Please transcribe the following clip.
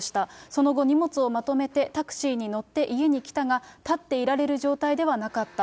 その後、荷物をまとめてタクシーに乗って家に来たが、立っていられる状態ではなかった。